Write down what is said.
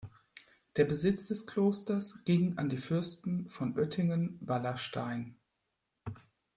Der Besitz des Klosters ging an die Fürsten von Oettingen-Wallerstein.